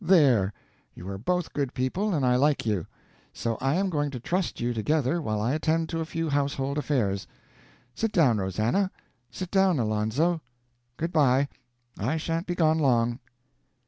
There! You are both good people, and I like you; so I am going to trust you together while I attend to a few household affairs. Sit down, Rosannah; sit down, Alonzo. Good by; I sha'n't be gone long."